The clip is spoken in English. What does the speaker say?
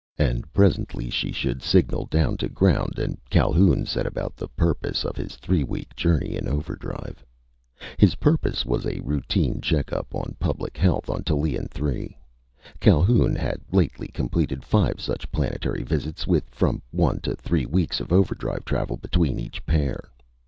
And presently she should signal down to ground and Calhoun set about the purpose of his three week journey in overdrive. His purpose was a routine checkup on public health on Tallien Three. Calhoun had lately completed five such planetary visits, with from one to three weeks of overdrive travel between each pair.